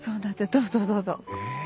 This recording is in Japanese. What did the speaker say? どうぞどうぞ。え！